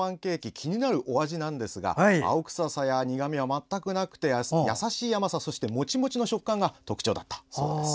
気になるお味なんですが青臭さや苦みは全くなくて優しい甘さ、モチモチの食感が特徴だそうです。